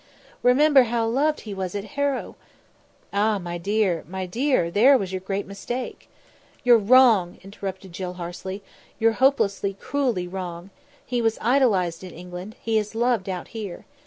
Remember how loved he was at Harrow " "Ah! my dear, my dear, there was your great mistake ..." "You're wrong," interrupted Jill harshly. "You're hopelessly, cruelly wrong. He was idolised in England; he is loved out here.